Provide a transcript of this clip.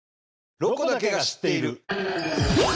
「ロコだけが知っている」。